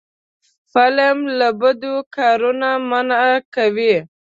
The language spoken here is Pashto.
فلم له بدو کارونو منع کوي